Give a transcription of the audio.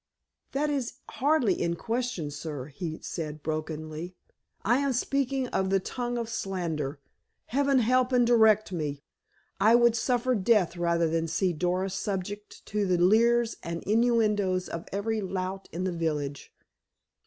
"That is hardly in question, sir," he said brokenly. "I am speaking of the tongue of slander. Heaven help and direct me! I would suffer death rather than see Doris subjected to the leers and innuendoes of every lout in the village."